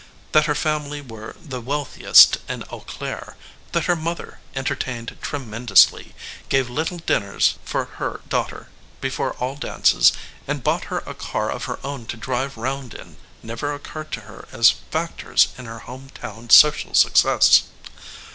That her family were the wealthiest in Eau Claire; that her mother entertained tremendously, gave little diners for her daughter before all dances and bought her a car of her own to drive round in, never occurred to her as factors in her home town social success.